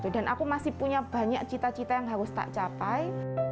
dan aku masih punya banyak cita cita yang harus tak capai